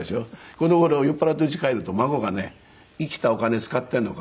この頃酔っ払って家帰ると孫がね「生きたお金使っているのか？」